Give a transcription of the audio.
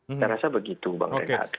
saya rasa begitu bang renat